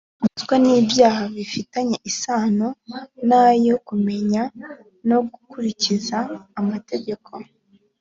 ruswa n ibyaha bifitanye isano na yo kumenya no gukurikiza amategeko